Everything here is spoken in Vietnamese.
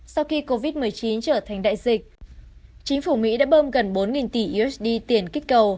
sau khi covid một mươi chín trở thành đại dịch chính phủ mỹ đã bơm gần bốn tỷ usd tiền kích cầu